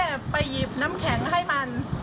ไปหยิบน้ำแข็งให้มัน